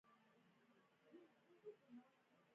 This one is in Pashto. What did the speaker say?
همدارنګه موږ یوه بله خبره ویلای شو.